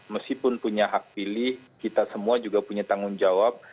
meskipun punya hak pilih kita semua juga punya tanggung jawab